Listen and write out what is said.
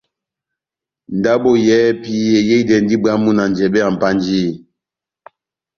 Ndabo yɛ́hɛ́pi eyehidɛndi bwámu na njɛbɛ ya Mpanjiyi.